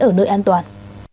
ở nơi an toàn